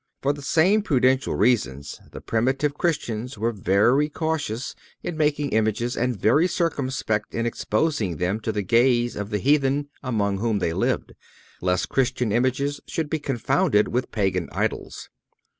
For the same prudential reasons the primitive Christians were very cautious in making images, and very circumspect in exposing them to the gaze of the heathen among whom they lived, lest Christian images should be confounded with Pagan idols.